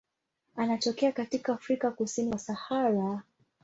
Anatokea katika Afrika kusini kwa Sahara.